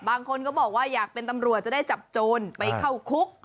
บางคนก็บอกว่าอยากเป็นตำรวจจะได้จับโจรไปเข้าคุก